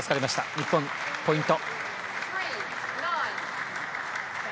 日本、ポイント。